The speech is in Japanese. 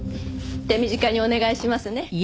手短にお願いしますね。